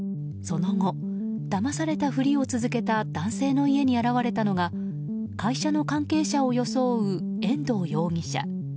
その後、だまされたふりを続けた男性の家に現れたのが会社の関係者を装う遠藤容疑者。